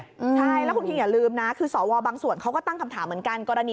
ใช่แล้วคุณคิงอย่าลืมนะคือสวบางส่วนเขาก็ตั้งคำถามเหมือนกันกรณี